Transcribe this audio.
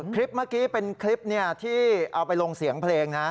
คลิปเมื่อกี้เป็นคลิปที่เอาไปลงเสียงเพลงนะ